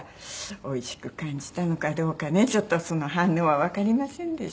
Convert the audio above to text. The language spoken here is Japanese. おいしく感じたのかどうかねちょっとその反応はわかりませんでした